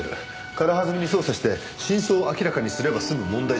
軽はずみに捜査して真相を明らかにすれば済む問題じゃない。